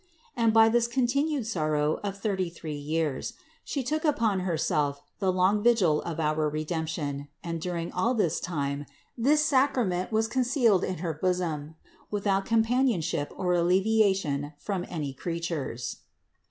And by this continued sorrow of thirty three years She took upon Herself the long vigil of our Redemption and during all this time this sacrament was THE INCARNATION 125 concealed in her bosom without companionship or allevi ation from any creatures.